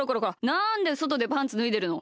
なんでそとでパンツぬいでるの！